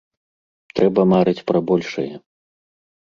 Трэба марыць пра большае.